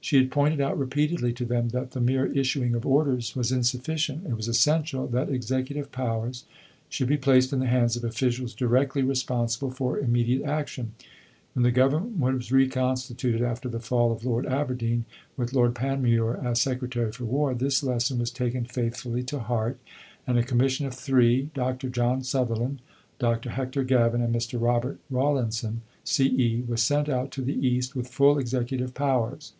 She had pointed out repeatedly to them that the mere issuing of orders was insufficient; it was essential that executive powers should be placed in the hands of officials directly responsible for immediate action. When the Government was reconstituted after the fall of Lord Aberdeen, with Lord Panmure as Secretary for War, this lesson was taken faithfully to heart, and a Commission of Three Dr. John Sutherland, Dr. Hector Gavin, and Mr. Robert Rawlinson, C.E. was sent out to the East with full executive powers.